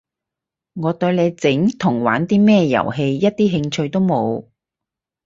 我對你整同玩啲咩遊戲一啲興趣都冇